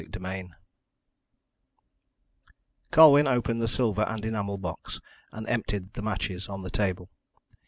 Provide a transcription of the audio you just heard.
CHAPTER XXV Colwyn opened the silver and enamel box, and emptied the matches on the table.